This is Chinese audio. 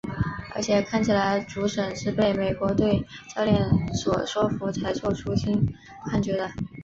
而且看起来主审是被美国队教练所说服才做出新判决的。